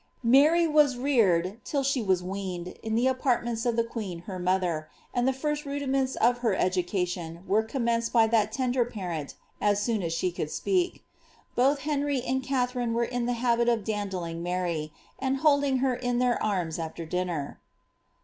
Mary was reared, till she was weaned, in the apartments of the qneei ner mother,* and the first rudiments of her education were commeoeed by that tender parent as soon as she could speak. Both Henry and Katharine were in the habit of dandling Mary, and holding her in their arms after dinner.